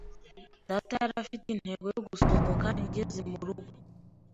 Data yari afite intego yo gusohoka ngeze murugo.